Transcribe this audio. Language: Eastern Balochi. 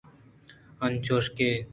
انچوشکہ۔